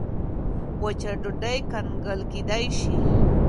وچه ډوډۍ کنګل کېدای شي.